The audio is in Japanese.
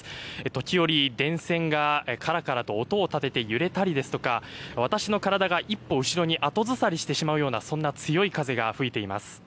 時折、電線がカラカラと音を立てて揺れたりですとか私の体が一歩後ろに後ずさりしてしまうような強い風が吹いています。